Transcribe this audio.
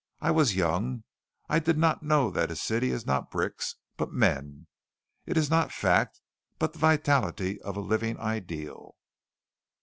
I was young. I did not know that a city is not bricks but men, is not fact but the vitality of a living ideal.